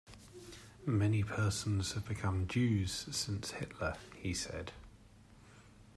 "Many persons have become Jews since Hitler," he said.